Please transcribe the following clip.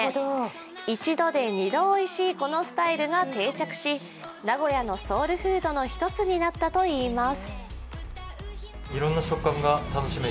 一度で２度おいしいこのスタイルが定着し名古屋のソウルフードの一つになったといいます。